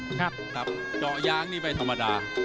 เจาะยางนี่ไม่ธรรมดา